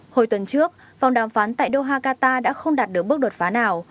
hồi tuần trước vòng đàm phán tại doha qatar đã không đạt được bước đột phá nào